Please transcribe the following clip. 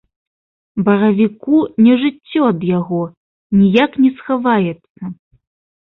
Баравіку не жыццё ад яго, ніяк не схаваецца.